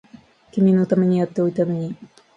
君のためにやっておいたのに